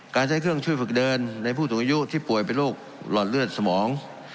การใช้เครื่องช่วยฝึกเดินในผู้สูงอายุที่ป่วยเป็นโรคหลอดเลือดสมอง